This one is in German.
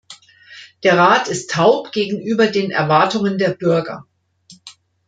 Der Rat ist taub gegenüber den Erwartungen der Bürger.